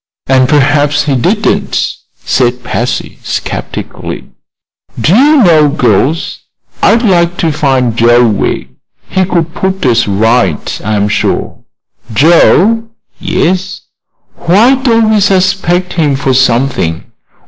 "And perhaps he didn't," said Patsy, skeptically. "Do you know, girls, I'd like to find Joe Wegg. He could put us right, I'm sure." "Joe!" "Yes. Why don't we suspect him of something?